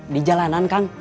di jalanan kang